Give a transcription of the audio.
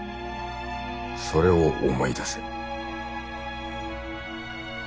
それを思い出せ。